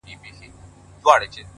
• د ښایستونو خدایه سر ټیټول تاته نه وه؛